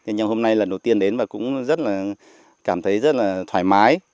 nhưng hôm nay lần đầu tiên đến và cũng rất là cảm thấy rất là thoải mái